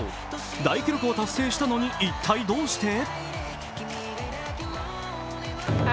大記録を達成したのに一体どうして？